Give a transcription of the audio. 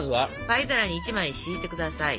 パイ皿に１枚敷いて下さい。